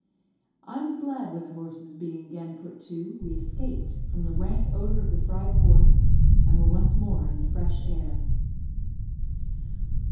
I was glad when the horses being again put to, we escaped from the rank odour of the fried pork, and were once more in the fresh air.